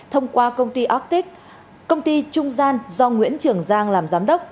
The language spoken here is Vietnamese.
thông qua công ty ortic công ty trung gian do nguyễn trường giang làm giám đốc